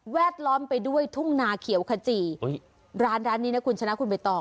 ดล้อมไปด้วยทุ่งนาเขียวขจี้ร้านร้านนี้นะคุณชนะคุณใบตอง